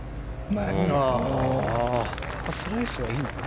スライスはいいのかな。